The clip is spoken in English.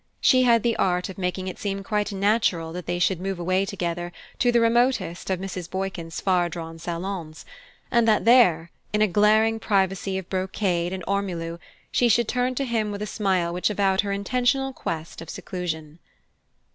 She had the art of making it seem quite natural that they should move away together to the remotest of Mrs. Boykin's far drawn salons, and that there, in a glaring privacy of brocade and ormolu, she should turn to him with a smile which avowed her intentional quest of seclusion.